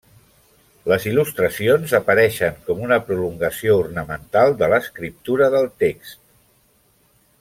Les il·lustracions apareixen com una prolongació ornamental de l'escriptura del text.